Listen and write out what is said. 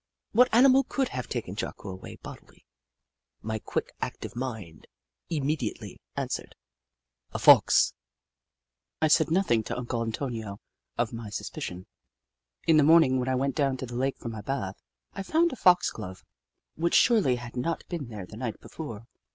What animal could have taken Jocko away bodily ? My quick, active mind immediately answered :" A Fox !" 144 The Book of Clever Beasts I said nothing to Uncle Antonio of my sus picion. In the morning, when I went down to the lake for my bath, I found a foxglove which surely had not been there the night be fore.